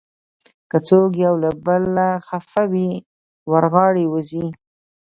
که څوک یو له بله خفه وي، ور غاړې وځئ.